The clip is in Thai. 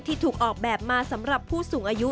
ถูกออกแบบมาสำหรับผู้สูงอายุ